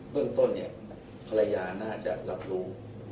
เรื่องต้นเนี่ยภรรยาน่าจะรับรู้